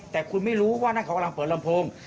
แต่คุณไม่รู้ว่านั่นเขากำลังเปิดลำโพง